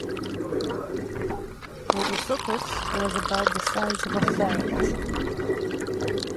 "Lagosuchus" was about the size of a ferret.